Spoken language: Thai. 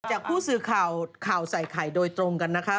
จากผู้สื่อข่าวข่าวใส่ไข่โดยตรงกันนะคะ